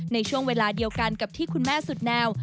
ในช่วงเวลาเดียวกันกับที่คุณแม่สุดแนว